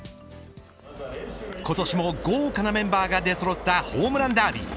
今年も豪華なメンバーが出そろったホームランダービー。